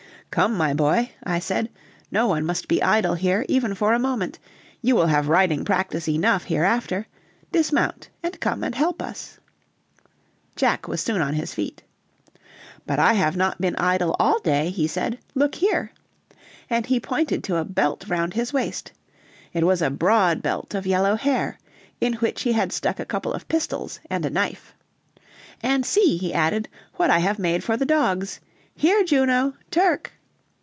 "Come, my boy," I said, "no one must be idle here, even for a moment; you will have riding practice enough hereafter; dismount and come and help us." Jack was soon on his feet. "But I have not been idle all day," he said; "look here!" and he pointed to a belt round his waist. It was a broad belt of yellow hair, in which he had stuck a couple of pistols and a knife. "And see," he added, "what I have made for the dogs. Here, Juno! Turk!"